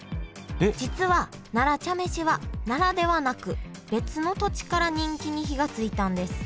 実は奈良茶飯は奈良ではなく別の土地から人気に火がついたんです。